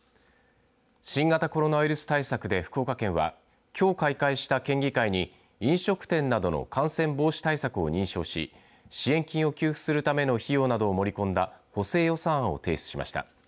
新型コロナウイルス対策で福岡県はきょう開会した県議会に飲食店などの感染防止対策を認証し支援金を給付するための費用などを盛り込んだ補正予算案を提出しました。